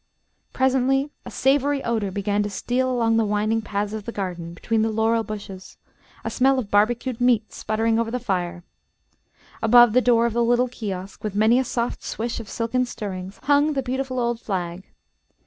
Presently a savory odor began to steal along the winding paths of the garden, between the laurel bushes, a smell of barbecued meat sputtering over the fire. Above the door of the little kiosk, with many a soft swish of silken stirrings, hung the beautiful old flag.